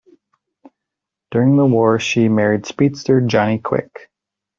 During the war, she married speedster Johnny Quick.